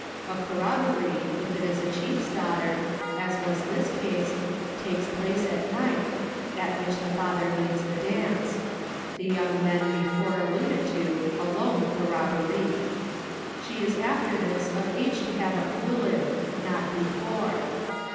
A corrobboree, if it is a chief's daughter, as was this case, takes place at night, at which the father leads the dance. The young men before alluded to alone corrobboree. She is after this of age to have a kooliu, not before.